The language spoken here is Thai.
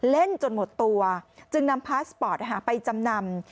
เล่นจนหมดตัวจึงนำพาสปอร์ตไปจำนำ